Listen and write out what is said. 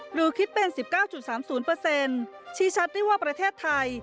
หรือคิดเป็นสิบเก้าจุดสามศูนย์เปอร์เซ็นต์ชี้ชัดได้ว่าประเทศไทย